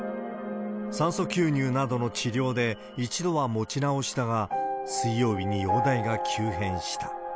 酸素吸入などの治療で一度は持ち直したが、水曜日に容体が急変した。